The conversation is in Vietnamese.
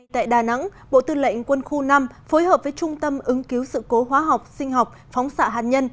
tại đà nẵng bộ tư lệnh quân khu năm phối hợp với trung tâm ứng cứu sự cố hóa học sinh học phóng xạ hạt nhân